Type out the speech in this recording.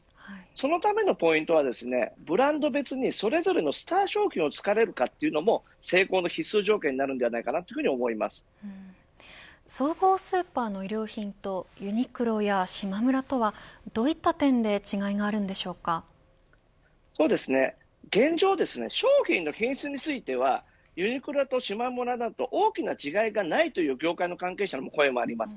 そのためのポイントはブランド別にそれぞれのスター商品をつくれるかというのも総合スーパーの衣料品とユニクロやしまむらとはどういった点で現状、商品の品質についてはユニクロとしまむらだと大きな違いがないという業界の関係者の声もあります。